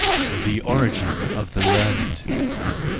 The Origin of the Learned.